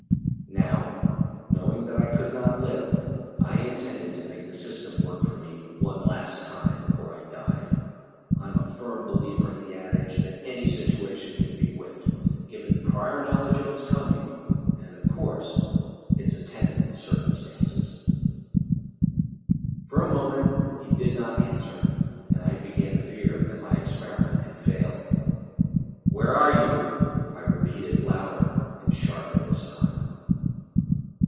Now, knowing that I could not live, I intended to make the system work for me one last time before I died. I'm a firm believer in the adage that any situation can be whipped, given prior knowledge of its coming and, of course, its attendant circumstances. For a moment he did not answer and I began to fear that my experiment had failed. "Where are you?" I repeated, louder and sharper this time.